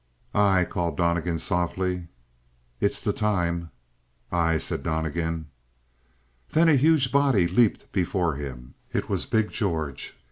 "Aye!" called Donnegan softly. "It's the time!" "Aye," said Donnegan. Then a huge body leaped before him; it was big George.